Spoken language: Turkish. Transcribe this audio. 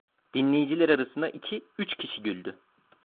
Dinleyiciler arasında iki üç kişi güldü.